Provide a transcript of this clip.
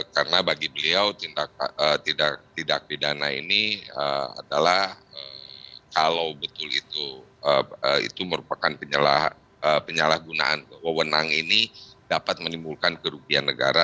karena bagi beliau tindak didana ini adalah kalau betul itu merupakan penyalahgunaan kewenang ini dapat menimbulkan kerugian negara